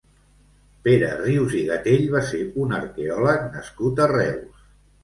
Pere Rius i Gatell va ser un arqueòleg nascut a Reus.